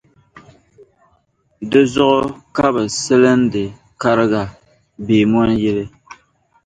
Dinzuɣu ka bɛ salindi Kariga Beemoni yili.